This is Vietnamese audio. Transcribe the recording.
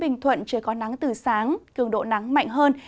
bình thuận trời có nắng từ sáng cường độ nắng mạnh hơn